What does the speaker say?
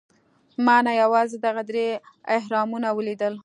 ما نه یوازې دغه درې اهرامونه ولیدل.